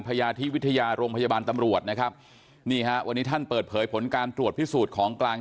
พญาทิวิทยาโรงพยาบาลตำรวจวันนี้ท่านเปิดเผยผลการตรวจพิสูจน์ของกลาง